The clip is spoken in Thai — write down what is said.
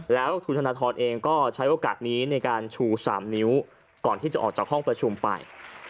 แล้วคุณธนทรเองก็ใช้โอกาสนี้ในการชู๓นิ้วก่อนที่จะออกจากห้องประชุมไป